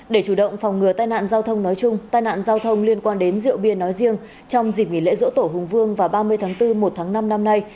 để chủ động phòng ngừa tai nạn giao thông nói chung tai nạn giao thông liên quan đến rượu bia nói riêng trong dịp nghỉ lễ dỗ tổ hùng vương và ba mươi tháng bốn một tháng năm năm nay